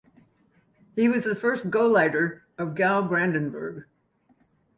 He was the first "Gauleiter" of Gau Brandenburg.